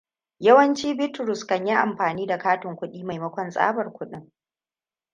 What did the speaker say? Yawanci Bitrusa kan yi amfani da katin kuɗi maimakon tsabar kuɗin.